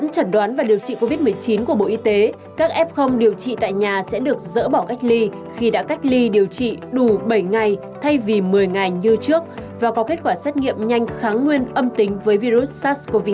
các bạn hãy đăng ký kênh để ủng hộ kênh của chúng mình nhé